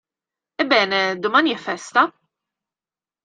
Ebbene, domani è festa?